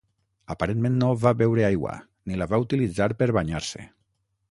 Aparentment no va beure aigua, ni la va utilitzar per banyar-se.